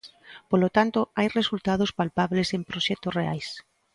Polo tanto, hai resultados palpables en proxectos reais.